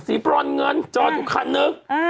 บรอนเงินจอดอยู่คันนึง